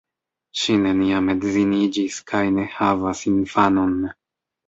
Ŝi neniam edziniĝis kaj ne havas infanon.